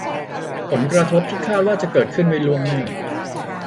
ผลกระทบที่คาดว่าจะเกิดขึ้นไว้ล่วงหน้า